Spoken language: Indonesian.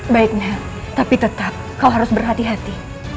baik nel tapi tetap kau harus berhati hati